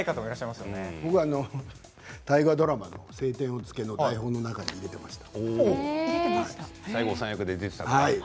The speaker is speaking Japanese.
僕は大河ドラマの「青天を衝け」の台本の中に入れています。